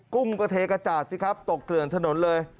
กุ้งก็เทกระจาดสิครับตกเกลื่อนถนนเลย